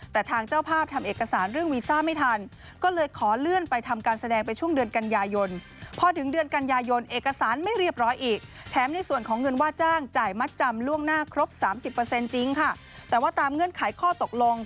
แต่ว่าตามเงื่อนไขข้อตกลง